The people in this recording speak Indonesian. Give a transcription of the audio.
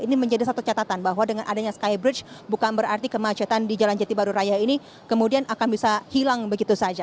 ini menjadi satu catatan bahwa dengan adanya skybridge bukan berarti kemacetan di jalan jati baru raya ini kemudian akan bisa hilang begitu saja